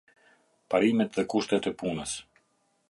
Parimet dhe kushtet e punës.